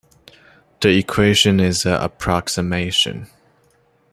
The equation is an approximation.